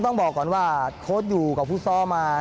ต้องบอกก่อนว่าโค้ดอยู่กับฟุตซอลมา